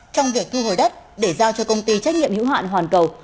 trong việc thu hồi đất để giao cho công ty trách nhiệm hữu hạn hoàn cầu